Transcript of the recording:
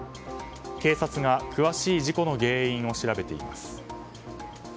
警察が詳しい事故の原因を調べています。